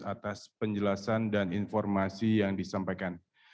atas penjelasan dan informasi yang disampaikan